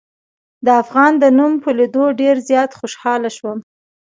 د افغان د نوم په لیدلو ډېر زیات خوشحاله شوم.